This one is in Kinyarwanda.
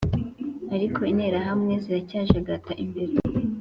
ariko interahamwe ziracyajagata imbere